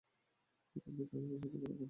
আপনি তো আমাকে সাহায্য করার কথা বলেছিলেন।